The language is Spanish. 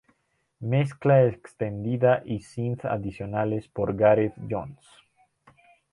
Mezcla extendida y synth adicionales por Gareth Jones.